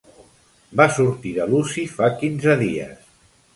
Vaig sortir de l'Uci fa quinze dies.